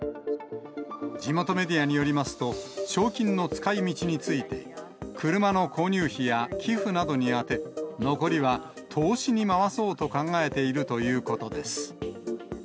地元メディアによりますと、賞金の使いみちについて、車の購入費や寄付などに充て、残りは投資に回そうと考えているということです。